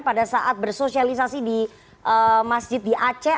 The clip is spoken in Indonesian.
pada saat bersosialisasi di masjid di aceh